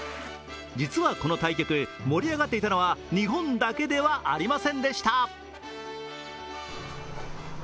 実はこの対局、盛り上がっていたのは日本だけではありませんでした。